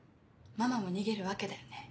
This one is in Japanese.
ママも逃げるわけだよね。